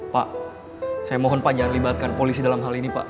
pak saya mohon panjang libatkan polisi dalam hal ini pak